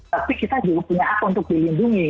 tapi kita juga punya hak untuk dilindungi